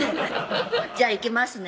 じゃあいきますね